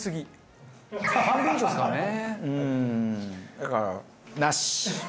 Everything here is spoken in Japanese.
だからなし。